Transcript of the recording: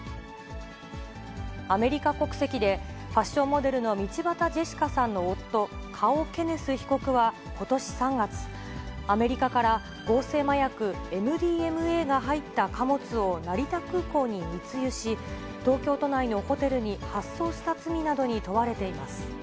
アメリカ国籍で、ファッションモデルの道端ジェシカさんの夫、カオ・ケネス被告はことし３月、アメリカから合成麻薬ＭＤＭＡが入った貨物を成田空港に密輸し、東京都内のホテルに発送した罪などに問われています。